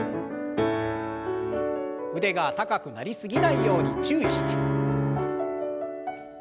腕が高くなり過ぎないように注意して。